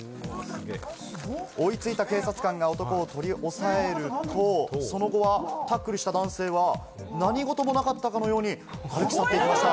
追いついた警察官が男を取り押さえると、その後は、タックルした男性は、何事もなかったかのように歩き去っていきました。